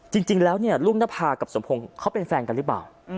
จริงแล้วเนี่ยรุ่งนภากับสมพงศ์เขาเป็นแฟนกันหรือเปล่า